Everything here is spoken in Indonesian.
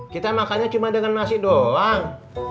kita makannya cuma dengan nasi doang